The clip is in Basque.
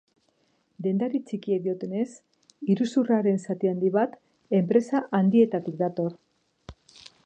Dendari txikiek diotenez iruzurraren zati handi bat enpresa handietatik dator.